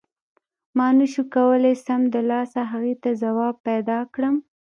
ما نه شو کولای سمدلاسه هغې ته ځواب پیدا کړم.